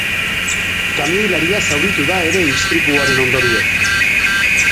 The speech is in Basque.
Kamioilaria zauritu da ere istripuaren ondorioz.